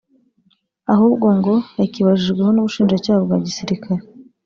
ahubwo ngo yakibajijweho n’Ubushinjacyaha bwa gisirikare